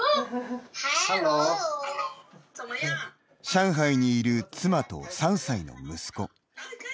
上海にいる妻と３歳の息子。